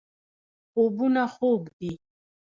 خوبونه خوږ دي.